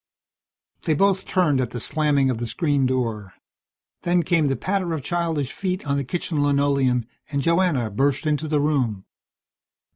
They both turned at the slamming of the screen door. Then came the patter of childish feet on the kitchen linoleum, and Joanna burst into the room.